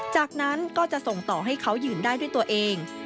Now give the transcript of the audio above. จากนั้นก็จะส่งต่อให้เขายืนได้ด้วยตัวเอง